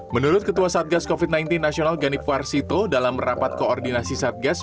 menurut ketua satgas covid sembilan belas nasional ganip warsito dalam rapat koordinasi satgas